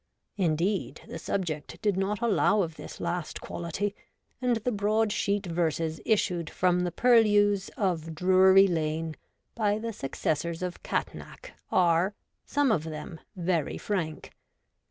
Indeed, the subject did not allow of this last quality, and the broad sheet verses issued from the purlieus of Drury Lane by the successors of Catnach are, some of them, very frank.